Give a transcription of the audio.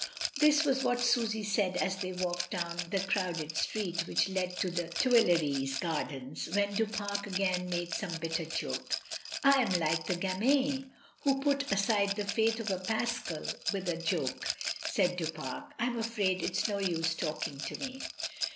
This was what Susy said as they walked down the crowded street which led to the Tuileries gardens, when Du Pare again made some bitter joke. "I am like the gaming who put aside the faith of a Pascal with a joke," said Du Para "I'm afraid it is no use talking to me."